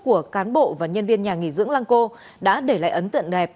của cán bộ và nhân viên nhà nghỉ dưỡng lang co đã để lại ấn tượng đẹp